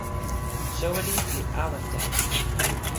soweli li awen tawa.